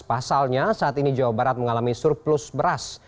pasalnya saat ini jawa barat mengalami surplus beras